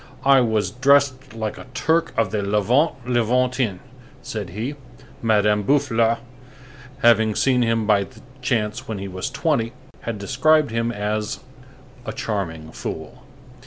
"I was dressed like a Turk of the Levant Levantin," said he. Madame de Boufflers, having seen him by chance when he was twenty, had described him as "a charming fool."